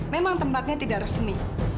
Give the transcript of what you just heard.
memang tempatnya tidak resmi